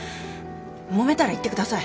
もめたら言ってください。